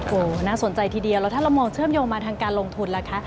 โอ้โหน่าสนใจทีเดียวแล้วถ้าเรามองเชื่อมโยงมาทางการลงทุนล่ะคะ